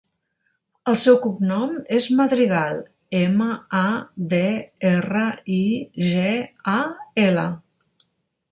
El seu cognom és Madrigal: ema, a, de, erra, i, ge, a, ela.